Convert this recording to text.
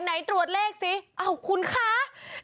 ไหนตรวจเลขสิเอ้าคุณค้า